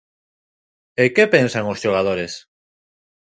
E que pensan os xogadores?